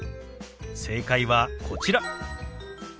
正解はこちら。